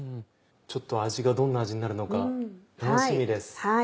ちょっと味がどんな味になるのか楽しみです。